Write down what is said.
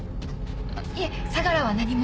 いえ相良は何も。